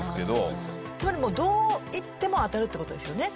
つまりどういっても当たるって事ですよね？